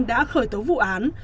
đã khởi tố vụ án